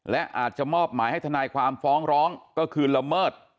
และอาจจะมอบหมายให้ทนายความฟ้องร้องก็คือละเมิด